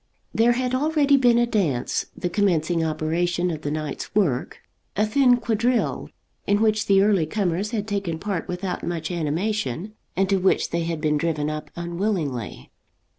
There had already been a dance, the commencing operation of the night's work, a thin quadrille, in which the early comers had taken part without much animation, and to which they had been driven up unwillingly.